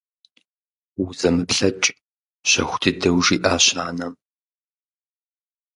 Узэмыплъэкӏ… – щэху дыдэу жиӀащ анэм.